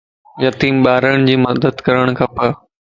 يتيم ٻارن جي مدد ڪرڻ کپ